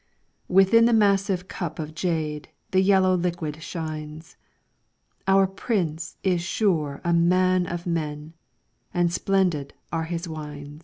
Within the massive cup of jade The yellow liquid shines ; Our prince is sure a man of men, And splendid are his wines.